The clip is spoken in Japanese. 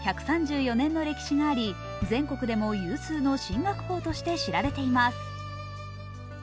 １３４年の歴史があり、全国でも有数の進学校としても知られています。